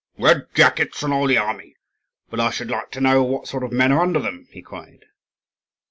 "Red jackets on all the army, but I should like to know what sort of men are under them," he cried.